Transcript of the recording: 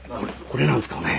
これなんですがね。